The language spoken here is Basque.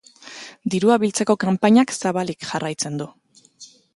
Dirua biltzeko kanpainak zabalik jarraitzen du.